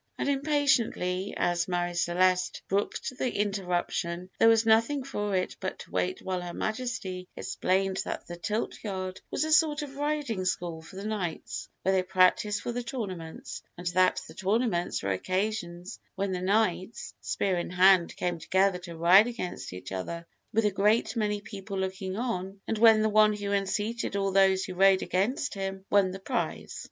and impatiently as Marie Celeste brooked the interruption, there was nothing for it but to wait while Her Majesty explained that the tilt yard was a sort of riding school for the knights, where they practised for the tournaments, and that the tournaments were occasions when the knights, spear in hand, came together to ride against each other, with a great many people looking on, and when the one who unseated all those who rode against him won the prize.